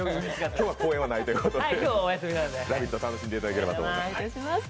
今日は公演はないということで「ラヴィット！」を楽しんでいただければと思います。